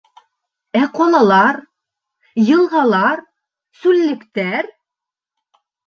Ә ҡалалар, йылғалар, сүллектәр?